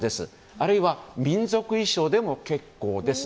あるいは民族衣装でも結構です。